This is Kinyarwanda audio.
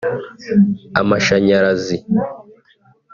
amashanyarazi